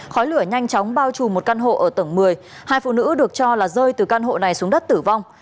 khói lửa nhanh chóng bao trùm một căn hộ ở tầng một mươi hai phụ nữ được cho là rơi từ căn hộ này xuống đất tử vong